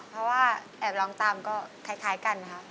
เพราะว่าแอบลองตามก็คล้ายกันนะครับ